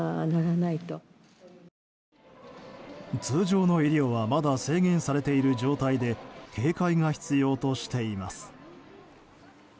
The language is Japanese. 通常の医療はまだ制限されている状態で警戒が必要としています。